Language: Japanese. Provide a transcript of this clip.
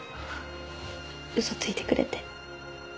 嘘ついてくれて。